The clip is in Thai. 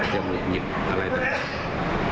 อย่างหลุดหยิบอะไรต่าง